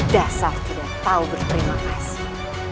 dasar tidak tahu berterima kasih